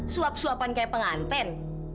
suap suapan kayak penganten